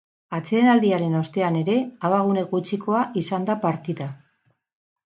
Atsedenaldiaren ostean ere abagune gutxikoa izan da partida.